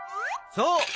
そう！